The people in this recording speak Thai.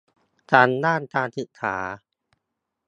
ทั้งด้านการศึกษา